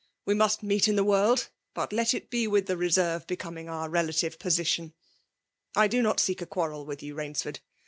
We must meet in the world ; but let it be with the reserve becoming our relative position. I do i^ot seek a quarrel with you^ Rainsford.